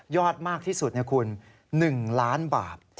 มากที่สุดนะคุณ๑ล้านบาท